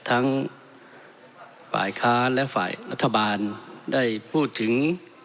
ทั้งฝ่ายค้านและฝ่ายรัฐบาลได้พูดถึง